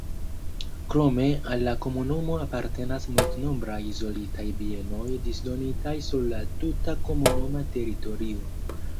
Krome al la komunumo apartenas multnombraj izolitaj bienoj disdonitaj sur la tuta komunuma teritorio.